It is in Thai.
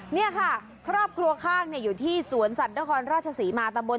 เนี่ยค่ะครอบครัวข้างเนี่ยอยู่ที่สวนสัตว์ณราชาศรีมาตำบล